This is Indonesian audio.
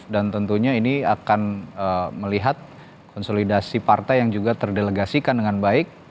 dan tentunya ini akan melihat konsolidasi partai yang juga terdelegasikan dengan baik